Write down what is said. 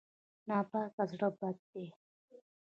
ناپاک زړه بد دی.